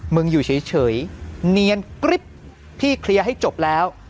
อยู่เฉยเนียนกริ๊บพี่เคลียร์ให้จบแล้ว